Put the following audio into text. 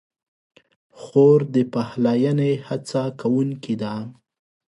خور د پخلاینې هڅه کوونکې ده.